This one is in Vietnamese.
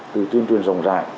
từ tuyên truyền rộng rãi